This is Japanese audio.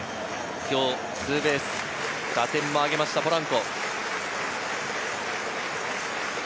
今日ツーベース、打点もあげました、ポランコ。